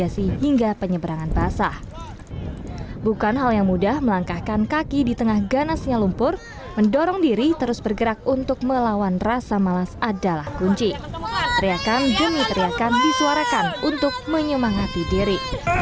teriakan demi teriakan disuarakan untuk menyemangati diri